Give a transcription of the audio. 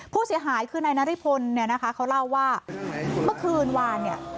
ผู้เสียหายคือนายนาริพลเนี่ยนะคะเขาเล่าว่าเมื่อคืนวานเนี่ย